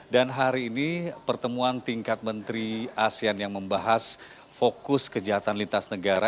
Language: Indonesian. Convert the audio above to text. dan hari ini pertemuan tingkat menteri asean yang membahas fokus kejahatan lintas negara